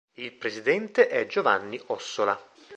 Il presidente è Giovanni Ossola.